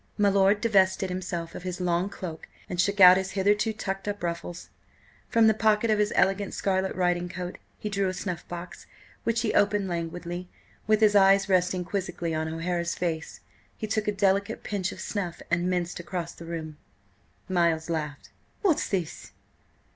My lord divested himself of his long cloak and shook out his hitherto tucked up ruffles. From the pocket of his elegant scarlet riding coat he drew a snuff box, which he opened languidly. With his eyes resting quizzically on O'Hara's face, he took a delicate pinch of snuff and minced across the room. Miles laughed. "What's this?"